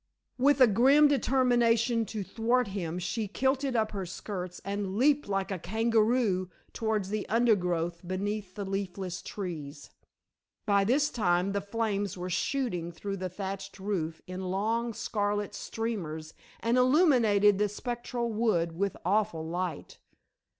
With a grim determination to thwart him she kilted up her skirts and leaped like a kangaroo towards the undergrowth beneath the leafless trees. By this time the flames were shooting through the thatched roof in long scarlet streamers and illuminated the spectral wood with awful light.